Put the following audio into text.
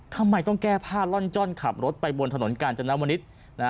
ทำไมต้องแก้ผ้าล่อนจ้อนขับรถไปบนถนนกาญจนวนิษฐ์